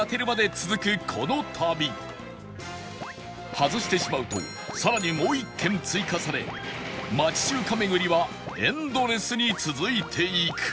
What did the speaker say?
外してしまうと更にもう１軒追加され町中華巡りはエンドレスに続いていく